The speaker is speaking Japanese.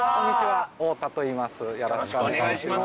よろしくお願いします。